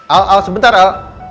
al al sebentar al